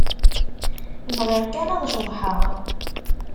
Bɣiɣ kan ad ceḍḥeɣ.